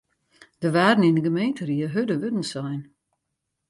Der waarden yn de gemeenteried hurde wurden sein.